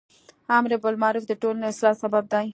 امر بالمعروف د ټولنی اصلاح سبب دی.